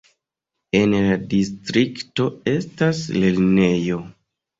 En la distrikto estas lernejo.